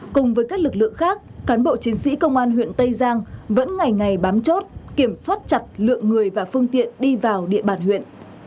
cùng với các lực lượng khác cán bộ chiến sĩ công an huyện tây giang vẫn ngày ngày bám chốt kiểm soát chặt lượng người và phương tiện đi vào địa bàn huyện